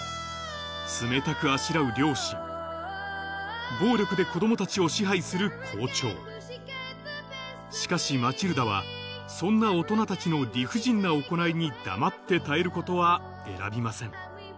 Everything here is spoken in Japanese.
冷たくあしらう両親暴力で子供たちを支配する校長しかしマチルダはそんな大人たちの理不尽な行いに黙って耐えることは選びません